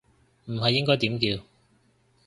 唔係應該點叫